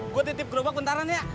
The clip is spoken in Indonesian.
gue titip gerobak bentaran ya